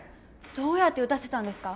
どうやって撃たせたんですか？